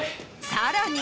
さらに。